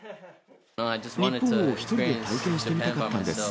日本を１人で体験してみたかったんです。